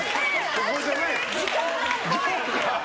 ここじゃない！